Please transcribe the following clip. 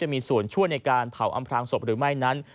มีส่วนช่วยในการเผาอำพลางศพหรือไม่นั้น